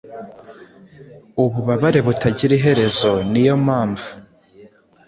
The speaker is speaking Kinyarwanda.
Ububabare butagira iherezo ni yo mpamvu